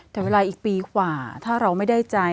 แต่เวลาอีกปีกว่าถ้าเราไม่ได้ใจ